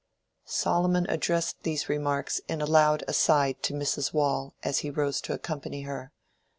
Solomon addressed these remarks in a loud aside to Mrs. Waule as he rose to accompany her.